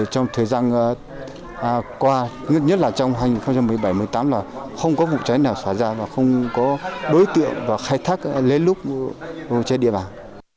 trong thời gian qua nhất nhất là trong hai nghìn một mươi bảy hai nghìn một mươi tám là không có vụ cháy nào xảy ra và không có đối tượng và khai thác lên lúc vụ cháy địa bàn